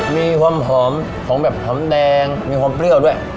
มีความหอมของแบบหอมแดงมีความเปรี้ยวด้วย